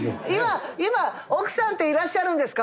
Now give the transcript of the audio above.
今奥さんっていらっしゃるんですか？